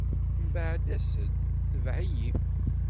Mbeɛd as-d, tebɛ-iyi.